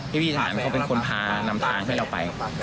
พี่ทหารเขาเป็นคนพานำทางให้เราไป